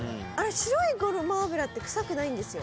白いごま油って臭くないんですよ。